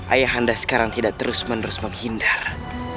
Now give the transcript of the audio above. ayah anda sekarang tidak terus menerus menghindar